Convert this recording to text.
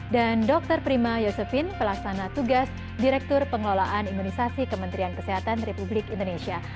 dan dr prima yosefin pelaksana tugas direktur pengelolaan imunisasi kementerian kesehatan republik indonesia